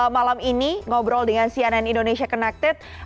malam ini ngobrol dengan cnn indonesia connected